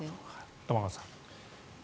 玉川さん。